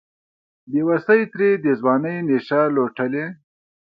بیوسۍ ترې د ځوانۍ نشه لوټلې